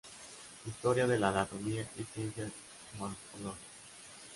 Historia de la Anatomía y Ciencias Morfológicas.